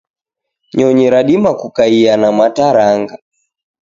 Nyonyi radima kukaia na mataranga.